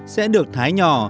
sẽ được thái nhỏ